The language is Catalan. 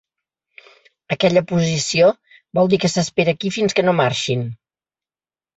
Aquella posició vol dir que s'espera aquí fins que no marxin.